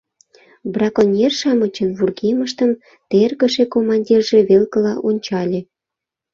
Браконьер-шамычын вургемыштым тергыше командирже велкыла ончале.